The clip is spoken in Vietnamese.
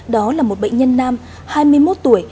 đó là một bệnh nhân nam hai mươi một tuổi